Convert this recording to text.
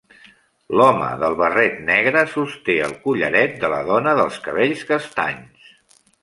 L'home del barret negre sosté el collaret de la dona dels cabells castanys.